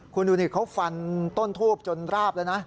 คุณดูนี่เขาฟันต้นทูบจนราบแล้วนะ